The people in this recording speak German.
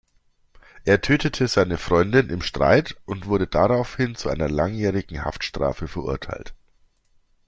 Er tötete seine Freundin im Streit und wurde daraufhin zu einer langjährigen Haftstrafe verurteilt.